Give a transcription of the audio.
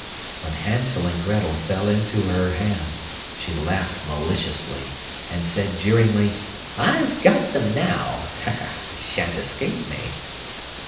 When Hansel and Grettel fell into her hands she laughed maliciously, and said jeeringly: "I've got them now; they sha'n't escape me."